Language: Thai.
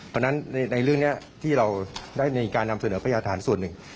เพราะฉะนั้นในเรื่องนี้ที่เราได้ในการนำเสนอพยาฐานส่วนหนึ่ง